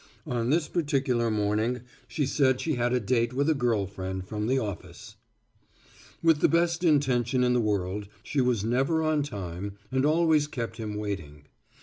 On this particular morning she said she had a date with a girl friend from the office. With the best intention in the world she was never on time and always kept him waiting.